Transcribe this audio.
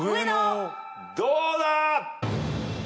どうだ！？